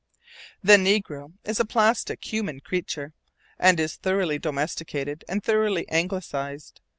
The negro is a plastic human creature, and is thoroughly domesticated and thoroughly anglicized.